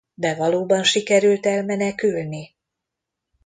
De valóban sikerült elmenekülni?